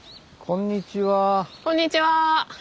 こんにちは。